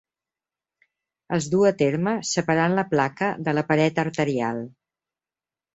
Es du a terme separant la placa de la paret arterial.